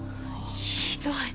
ひどい！